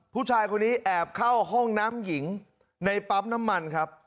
ผู้ชายคนนี้แอบเข้าห้องน้ำหญิงในปั๊มน้ำมันครับ